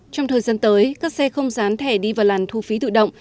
trong thời gian tới các xe không dán thẻ đi vào làn thu phí tự động